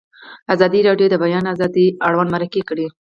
ازادي راډیو د د بیان آزادي اړوند مرکې کړي.